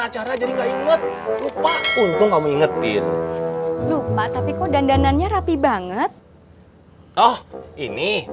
acara jadi nggak inget lupa untung kamu ingetin lupa tapi kok dandanannya rapi banget oh ini